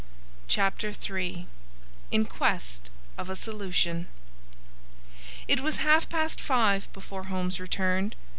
Chapter III In Quest of a Solution It was half past five before Holmes returned.